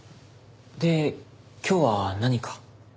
で今日は何か？